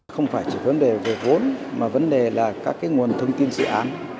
không phải chỉ vấn đề về vốn mà vấn đề là các nguồn thông tin dự án